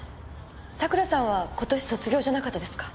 佐倉さんは今年卒業じゃなかったですか？